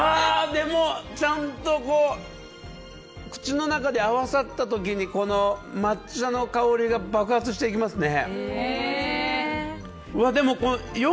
でも、ちゃんと口の中で合わさった時にこの抹茶の香りが爆発していきますね。